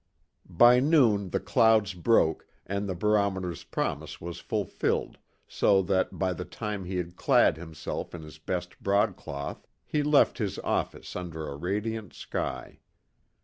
By noon the clouds broke, and the barometer's promise was fulfilled, so that, by the time he had clad himself in his best broadcloth, he left his office under a radiant sky.